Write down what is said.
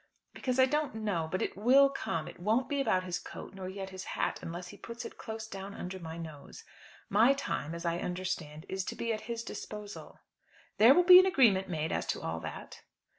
"Because I don't know; but it will come. It won't be about his coat, nor yet his hat, unless he puts it close down under my nose. My time, as I understand, is to be at his disposal." "There will be an agreement made as to all that."